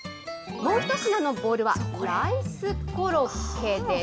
もう１品のボールはライスコロッケです。